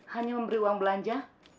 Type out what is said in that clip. hanya memberi uang belanja